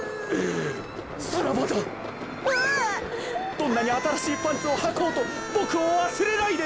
どんなにあたらしいパンツをはこうとボクをわすれないで。